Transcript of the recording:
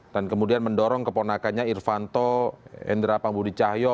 dan kemudian mendorong keponakannya irvanto endera pangbudi cahyo